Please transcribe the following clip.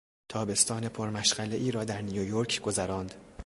تابستان پرمشغلهای را در نیویورک گذراند.